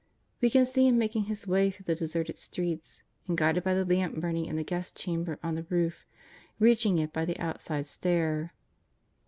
We can see him making his way through the deserted streets, and guided by the lamp burning in the guest chamber on the roof, reaching it by the outside stair.